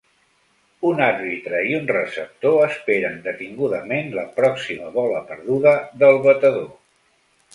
Un àrbitre i un receptor esperen detingudament la pròxima bola perduda del batedor.